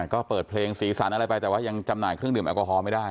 ก็เปิดเพลงสีสันอะไรไปแต่ว่ายังจำหน่ายเครื่องดื่มแอลกอฮอลไม่ได้